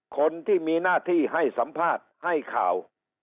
คนที่มีหน้าที่ให้สัมภาษณ์ให้ข่าว